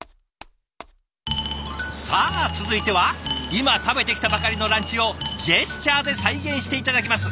さあ続いては今食べてきたばかりのランチをジェスチャーで再現して頂きます。